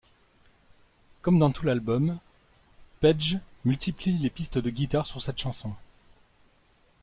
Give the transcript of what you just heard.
Comme dans tout l'album, Page multiplie les pistes de guitare sur cette chanson.